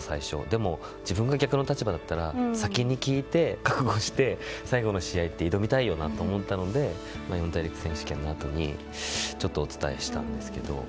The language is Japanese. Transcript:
でも、自分が逆の立場だったら先に聞いて覚悟して、最後の試合に挑みたいよなと思ったので四大陸選手権のあとにちょっと、お伝えしたんですけど。